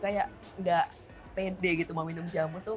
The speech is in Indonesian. kayak nggak pede gitu mau minum jamu tuh